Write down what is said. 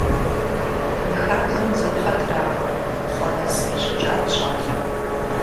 И хабзэм бзыпхъэ трахыу лӀы нэс къищӀыкӀат щӀалэм.